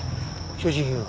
所持品は？